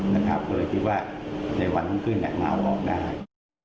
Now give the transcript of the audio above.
ผมเลยคิดว่าในวันพรุ่งขึ้นได้หมาวะออกได้